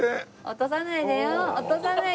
落とさないでよほら。